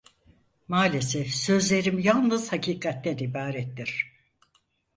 Maalesef sözlerim yalnız hakikatten ibarettir.